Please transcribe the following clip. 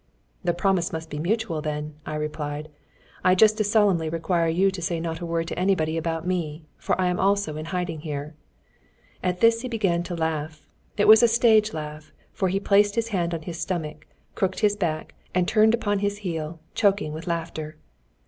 "The promise must be mutual, then," I replied. "I just as solemnly require you to say not a word to anybody about me, for I also am in hiding here." At this he began to laugh. It was a stage laugh, for he placed his hand on his stomach, crooked his back, and turned upon his heel, choking with laughter.